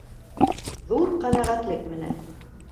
Ҙур ҡәнәғәтлек менән!